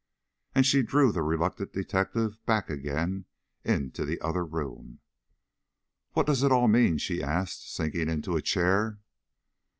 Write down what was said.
And she drew the reluctant detective back again into the other room. "What does it all mean?" she asked, sinking into a chair.